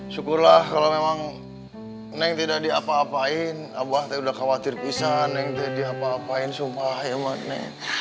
syukurlah kalau memang neng tidak diapa apain abah udah khawatir pisan neng diapa apain sumpah ya mbak neng